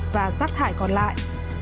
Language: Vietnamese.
và rác thải còn lại